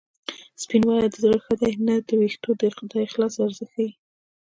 سپینوالی د زړه ښه دی نه د وېښتو د اخلاص ارزښت ښيي